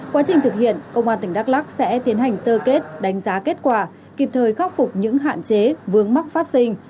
quá trình thực hiện công an tỉnh đắk lắc sẽ tiến hành sơ kết đánh giá kết quả kịp thời khắc phục những hạn chế vướng mắc phát sinh